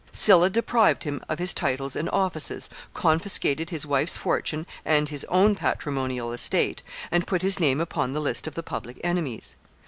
Sylla deprived him of his titles and offices, confiscated his wife's fortune and his own patrimonial estate, and put his name upon the list of the public enemies.